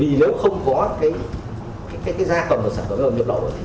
vì nếu không có cái giá cầm và sản phẩm giá cầm nhập khẩu ấm